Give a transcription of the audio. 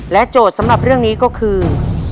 โจทย์สำหรับเรื่องนี้ก็คือ